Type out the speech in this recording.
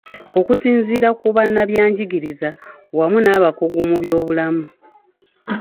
Okusinziira ku bannabyangigiriza wamu n’abakugu mu byobulamu.